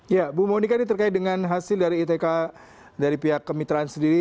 ya bu monika ini terkait dengan hasil dari itk dari pihak kemitraan sendiri